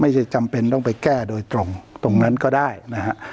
ไม่ใช่จำเป็นต้องไปแก้โดยตรงตรงนั้นก็ได้นะครับ